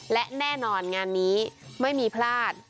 และแน่นอนงานนี้ไม่มีพลาด